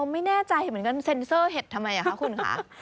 ไม่แน่ใจเหมือนกันเซ็นเซอร์เห็ดทำไมคะคุณค่ะ